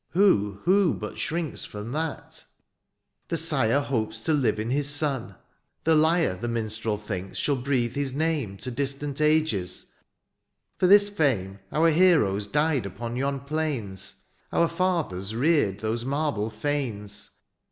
^* Who, who but shrinks from that ? The sire '* Hopes to live in his son — ^the lyre, ^^ The minstrel thinks^ shall breathe his name " To distant ages — ^for this jBame '^ Our heroes died upon yon plains, —'^ Our &thers reared those marble fanes.